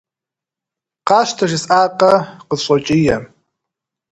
«Къащтэ жысӀакъэ!» - къысщӀокӀие.